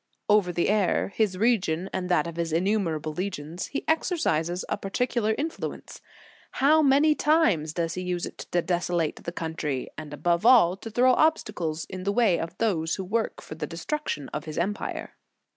Over the air, his region and that of his in numerable legions, he exercises a particular influence. How many times does he use it to desolate the country, and above all, to throw obstacles in the way of those who work for the destruction of his empire